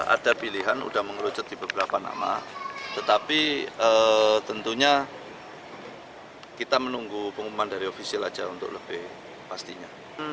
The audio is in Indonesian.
ada pilihan sudah mengerucut di beberapa nama tetapi tentunya kita menunggu pengumuman dari ofisial aja untuk lebih pastinya